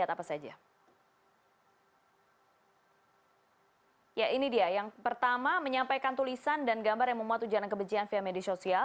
kedua menyampaikan tulisan dan gambar yang membuat sara via media sosial